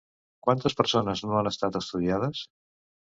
Quantes persones no han estat estudiades?